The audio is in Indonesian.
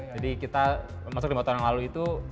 jadi kita masuk lima tahun yang lalu itu